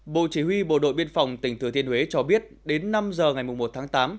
bộ chỉ huy bộ đội biên phòng tỉnh thừa thiên huế cho biết đến năm giờ ngày một tháng tám